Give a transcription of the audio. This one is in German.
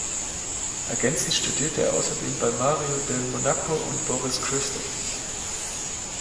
Ergänzend studierte er außerdem bei Mario Del Monaco und Boris Christoff.